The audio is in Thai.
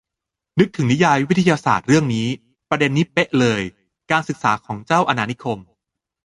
นึกถึงนิยายวิทยาศาสตร์เรื่องนี้ ประเด็นนี้เป๊ะเลย การศึกษาของเจ้าอาณานิคม